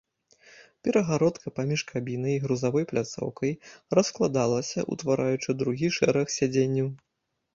Перагародка паміж кабінай і грузавой пляцоўкай раскладалася, утвараючы другі шэраг сядзенняў.